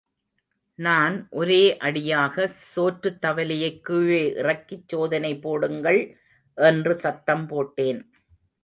நான் ஒரே அடியாக, சோற்றுத்தவலையைக் கீழே இறக்கிச் சோதனை போடுங்கள் என்று சத்தம் போட்டேன்.